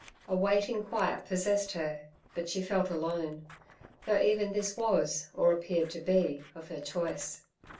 A waiting quiet possessed her, but she felt alone, though even this was, or appeared to be, of her choice.